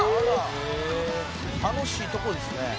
「楽しいとこですね」